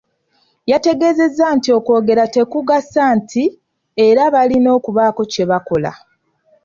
Yategeezezza nti okwogera tekugasa nti era balina okubaako kye bakola.